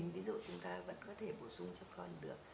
ví dụ chúng ta vẫn có thể bổ sung cho con được